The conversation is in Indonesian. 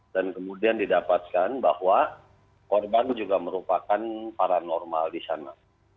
dan kemudian didapatkan bahwa korban juga merupakan paranormal di sana